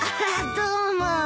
どうも。